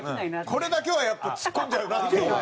これだけはやっぱツッコんじゃうなっていう。